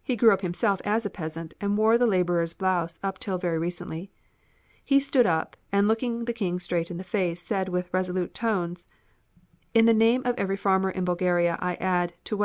He grew up himself as a peasant, and wore the laborer's blouse up till very recently. He stood up and looking the King straight in the face said in resolute tones: "In the name of every farmer in Bulgaria I add to what M.